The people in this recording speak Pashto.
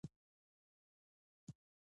لیونتوب دی چې ژوندی سړی عذاب کشه کوي.